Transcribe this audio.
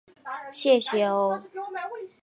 谢谢哦